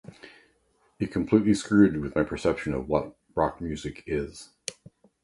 It completely screwed with my perception of what rock music is.